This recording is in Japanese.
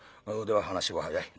「では話は早い。